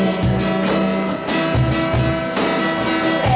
วหน้า